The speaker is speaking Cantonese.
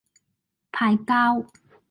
派膠